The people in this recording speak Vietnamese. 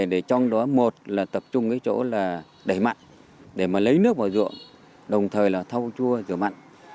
thì trong đó một là tập trung cái chỗ là đẩy mặn để mà lấy nước vào rượu đồng thời là thao chua rửa mặn